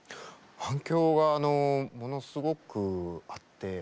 反響がものすごくあって。